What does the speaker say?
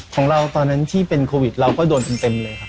ตอนนั้นที่เป็นโควิดเราก็โดนเต็มเลยครับ